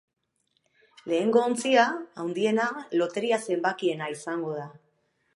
Lehengo ontzia, handiena, loteria zenbakiena izango da.